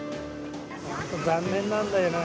本当残念なんだよな。